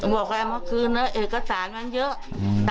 บอกแก่มากคืนเอกสารมันเยอะ